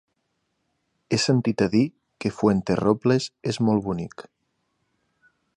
He sentit a dir que Fuenterrobles és molt bonic.